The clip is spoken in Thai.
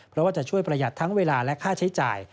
เพราะว่าจะช่วยประหยัดทั้งเวลาและค่าใช้จ่าย